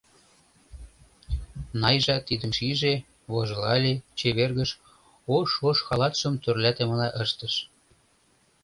Найжа тидым шиже, вожылале, чевергыш, ош-ош халатшым тӧрлатымыла ыштыш.